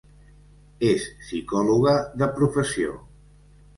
És psicòloga de professió.